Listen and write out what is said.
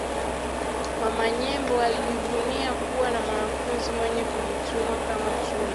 Mama Nyembo alijivunia kuwa na mwanafunzi mwenye kujituma kama Tunu